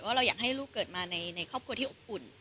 เราอยากให้ลูกเกิดมาในครอบครัวที่อบอุ่น